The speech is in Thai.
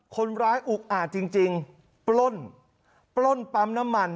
คนร้ายอุ๊กอ่านจริงจริงปล้นปล้นปั๊มน้ำมัน